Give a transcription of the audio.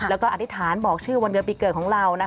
แล้วก็อธิษฐานบอกชื่อวันเดือนปีเกิดของเรา